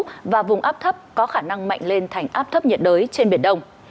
để chủ động ứng phó với áp thấp có khả năng mạnh lên thành áp thấp nhiệt đới trên biển đông